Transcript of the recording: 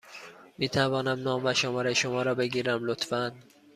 می توانم نام و شماره شما را بگیرم، لطفا؟